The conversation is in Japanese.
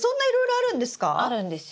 あるんですよ。